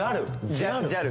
ジャルジャル